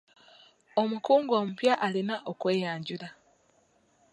Omukungu omupya alina okweyanjula.